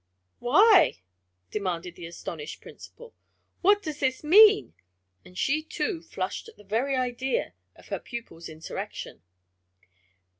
"Why!" demanded the astonished principal. "What does this mean!" and she too flushed at the very idea of her pupils' insurrection.